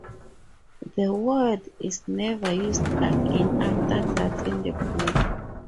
The word is never used again after that in the book.